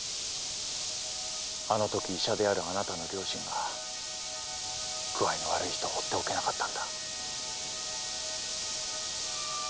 あのとき医者であるあなたの良心が具合の悪い人をほっておけなかったんだ。